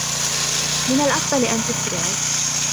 من الأفضل أن تسرعو.